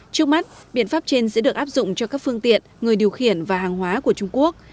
trước mắt biện pháp trên sẽ được áp dụng cho các phương tiện người điều khiển và hàng hóa của trung quốc